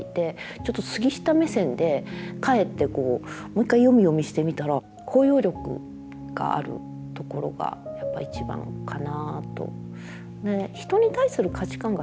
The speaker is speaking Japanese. ちょっと杉下目線で帰ってもう一回読み読みしてみたらところがやっぱ一番かなと。